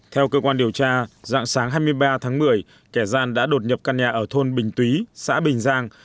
theo cơ quan điều tra dạng sáng hai mươi ba tháng một mươi kẻ gian đã đột nhập căn nhà ở thôn bình túy xã bình giang